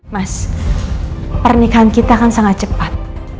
mas pernikahan kita kan sangat cepat